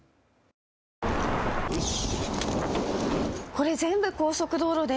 これ全部高速道路で。